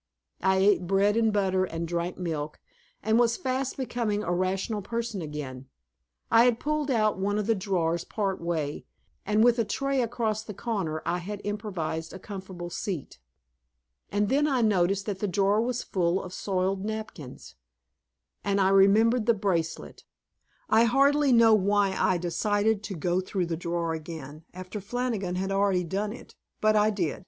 I ate bread and butter and drank milk, and was fast becoming a rational person again; I had pulled out one of the drawers part way, and with a tray across the corner I had improvised a comfortable seat. And then I noticed that the drawer was full of soiled napkins, and I remembered the bracelet. I hardly know why I decided to go through the drawer again, after Flannigan had already done it, but I did.